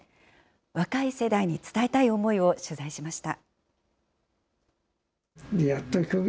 若い世代に伝えたい思いを取材しました。